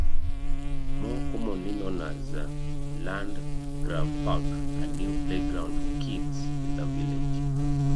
More commonly known as Landgraf Park, a new playground for kids in the village.